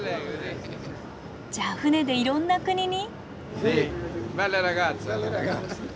じゃあ船でいろんな国に？